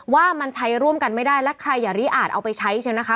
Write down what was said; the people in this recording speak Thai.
ว่ามันใช้ร่วมกันไม่ได้และใครอย่ารีอาจเอาไปใช้ใช่ไหมคะ